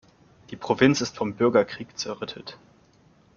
Die Provinz ist vom Bürgerkrieg zerrüttet.